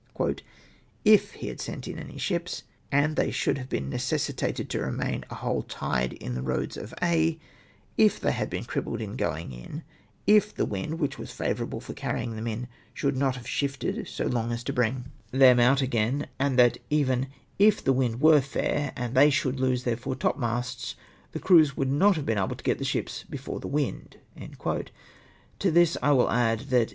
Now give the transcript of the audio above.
" If he had sent in any ships, and they should have been necessitated to remain a whole tide in the Eoads of Aix ; if they had been crippled in going in ; if the wind, whic]i was favourable for carry mg them m, should not have shifted so as to brinf>' 96 EXEMY ESCAPED FROM HIS OWN NEGLECT. them out again ; and that even, if the wind w^ere fair and they sliould lose tlieir foremasts, the crews would not have been able to get the ships before the wind." To this, I will add that